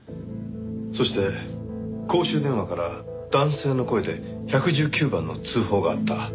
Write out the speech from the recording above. そして公衆電話から男性の声で１１９番の通報があった。